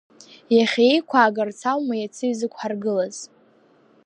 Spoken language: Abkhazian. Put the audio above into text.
Иахьа иқәаагарц аума иацы изықәҳаргылаз?